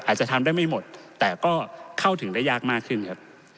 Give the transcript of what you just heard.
อาจจะทำได้ไม่หมดแต่ก็เข้าถึงได้ยากมากขึ้นครับ